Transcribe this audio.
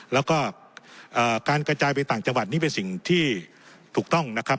แล้วก็การกระจายไปต่างจังหวัดนี้เป็นสิ่งที่ถูกต้องนะครับ